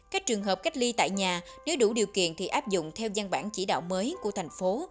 các trường hợp cách ly tại nhà nếu đủ điều kiện thì áp dụng theo gian bản chỉ đạo mới của thành phố